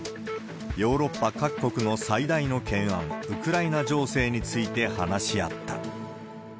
ヨーロッパ各国の最大の懸案、ウクライナ情勢について話し合った。